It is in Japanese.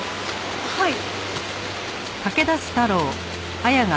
はい。